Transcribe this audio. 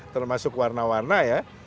termasuk warna warna ya